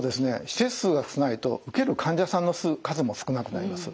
施設数が少ないと受ける患者さんの数も少なくなります。